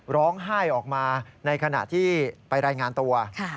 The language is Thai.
ร้องไห้ออกมาในขณะที่ไปรายงานตัว